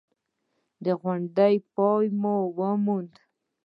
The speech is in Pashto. غونډې پای وموند.